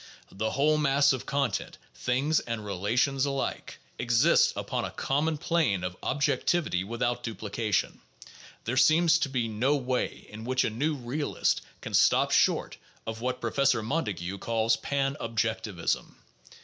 The whole mass of content, things and relations alike, exists upon a common plane of objectivity without duplication; there seems to be no way in which a new realist can stop short of what Professor Montague calls "pan objectivism."